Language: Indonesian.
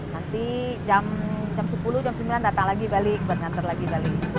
nanti jam sepuluh jam sembilan datang lagi balik buat ngantar lagi balik